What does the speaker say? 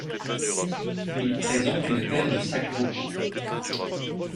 Ils présentent une paire de sacs vocaux.